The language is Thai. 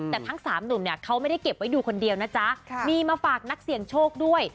แต่ทั้งสามหนุ่มเนี่ยเขาไม่ได้เก็บไว้ดูคนเดียวนะจ๊ะมีมาฝากนักเสี่ยงโชคด้วย